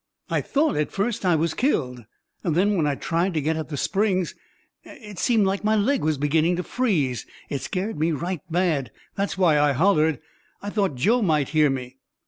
I thought at first I was killed. Then when I tried to get at the springs, and it seemed like my leg was beginnin' to freeze, it scared me right bad. That's why I hollered. I thought Joe might hear me."